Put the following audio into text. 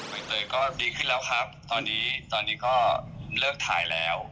ใบเตยก็ดีขึ้นแล้วครับตอนนี้ตอนนี้ก็เลิกถ่ายแล้ว